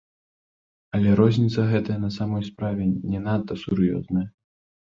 Але розніца гэтая на самой справе не надта сур'ёзная.